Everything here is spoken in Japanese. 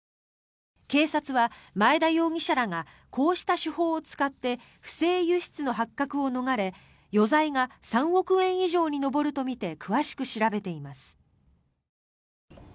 警察は、前田容疑者らがこうした手法を使って不正輸出の発覚を逃れ余罪が３億円以上に上るとみて詳しく調べています。